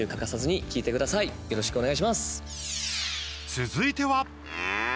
続いては。